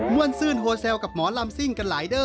วนซื่นโฮเซลกับหมอลำซิ่งกันหลายเด้อ